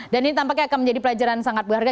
dan ini tampaknya akan menjadi pelajaran sangat berharga